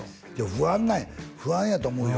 不安なんや不安やと思うよ